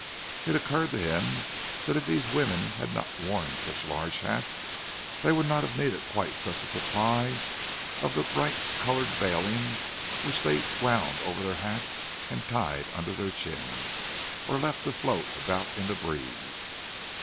It occurred to him that if these women had not worn such large hats, they would not have needed quite such a supply of the bright coloured veiling which they wound over the hats and tied under their chins, or left to float about in the breeze.